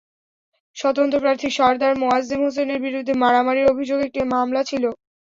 স্বতন্ত্র প্রার্থী সরদার মোয়াজ্জেম হোসেনের বিরুদ্ধে মারামারির অভিযোগে একটি মামলা ছিল।